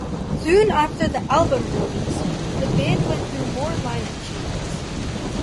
Soon after the album release, the band went through more lineup changes.